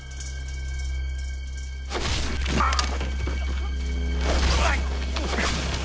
あっ！